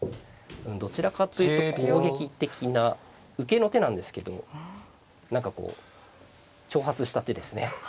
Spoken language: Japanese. どちらかというと攻撃的な受けの手なんですけど何かこう挑発した手ですね。